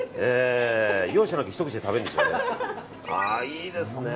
容赦なくひと口で食べるんでしょうね。